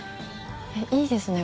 いいですね